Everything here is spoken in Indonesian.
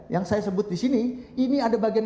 yang saya sebut disini ini ada bagian